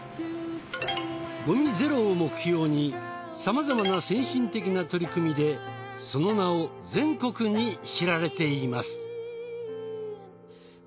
ごみゼロを目標にさまざまな先進的な取り組みでその名を全国に知られています。